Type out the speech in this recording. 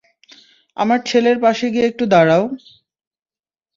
আমার ছেলের পাশে গিয়ে একটু দাঁড়াও।